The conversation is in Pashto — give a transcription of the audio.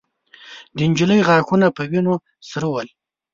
د نجلۍ غاښونه په وينو سره ول.